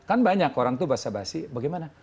kan banyak orang tuh basa basi bagaimana